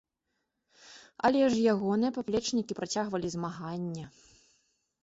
Але ж ягоныя паплечнікі працягвалі змаганне.